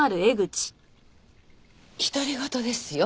独り言ですよ。